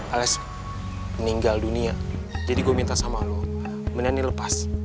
ales meninggal dunia jadi gua minta sama lu menengin lepas